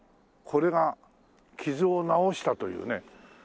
これが傷を治したというね。